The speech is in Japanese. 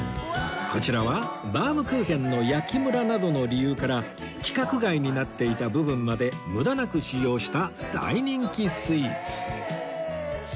こちらはバウムクーヘンの焼きムラなどの理由から規格外になっていた部分まで無駄なく使用した大人気スイーツ